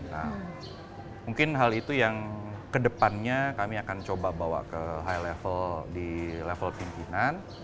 nah mungkin hal itu yang kedepannya kami akan coba bawa ke high level di level pimpinan